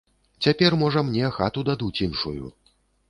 Цяпер, можа, мне хату дадуць іншую.